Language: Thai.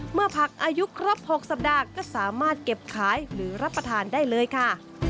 ผักอายุครบ๖สัปดาห์ก็สามารถเก็บขายหรือรับประทานได้เลยค่ะ